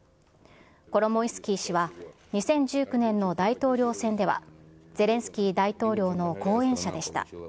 コロモイスキー氏は２０１９年の大統領選ではゼレンスキー大統領の後援者でした。